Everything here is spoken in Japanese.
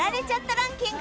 ランキング